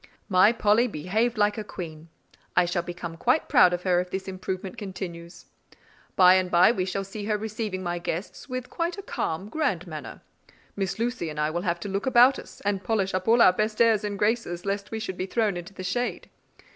"My Polly behaved like a queen. I shall become quite proud of her if this improvement continues. By and by we shall see her receiving my guests with quite a calm, grand manner. Miss Lucy and I will have to look about us, and polish up all our best airs and graces lest we should be thrown into the shade.